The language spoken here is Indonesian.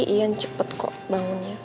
ian cepet kok bangunnya